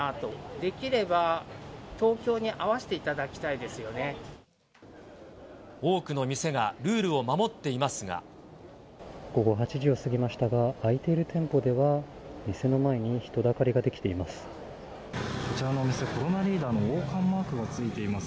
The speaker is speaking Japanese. できれば東京に合わせていただき多くの店がルールを守ってい午後８時を過ぎましたが、開いている店舗では、店の前に人だかりが出来ています。